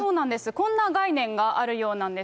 こんな概念があるようなんです。